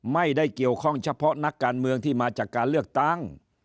ไม่ได้เกี่ยวข้องเฉพาะนักการเมืองที่มาจากการเลือกตั้ง